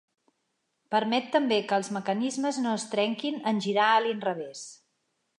Permet també que els mecanismes no es trenquin en girar a l'inrevés.